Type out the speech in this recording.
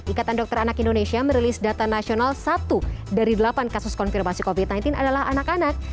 ikatan dokter anak indonesia merilis data nasional satu dari delapan kasus konfirmasi covid sembilan belas adalah anak anak